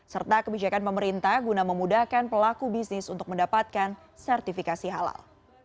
serta kebijakan pemerintah guna memudahkan pelaku bisnis untuk mendapatkan sertifikasi halal